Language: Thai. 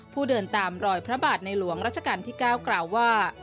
ผู้เดินตามรอยพระบาทในหลวงร๙กล่าวว่า